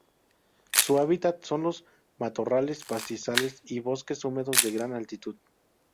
Su hábitat son los matorrales, pastizales y bosques húmedos de gran altitud.